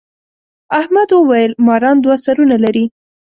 احمد وويل: ماران دوه سرونه لري.